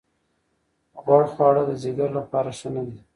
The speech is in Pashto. غوړ خواړه د ځیګر لپاره ښه نه دي.